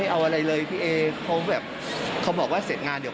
เอาอะไรเลยพี่เอเขาแบบเขาบอกว่าเสร็จงานเดี๋ยว